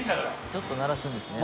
ちょっと鳴らすんですね。